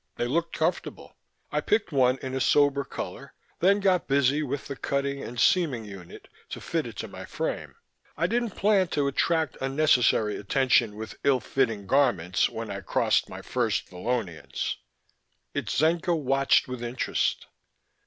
They looked comfortable. I picked one in a sober color, then got busy with the cutting and seaming unit to fit it to my frame. I didn't plan to attract unnecessary attention with ill fitting garments when I crossed my first Vallonians. Itzenca watched with interest.